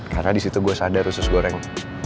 karena disitu gue sadar usus goreng